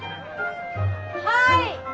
・はい！